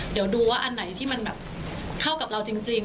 เดี๋ยวดูว่าอันไหนที่มันแบบเข้ากับเราจริง